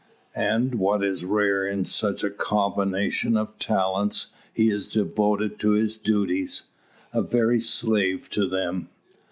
And what is rare in such a combination of talents, he is devoted to his duties a very slave to them."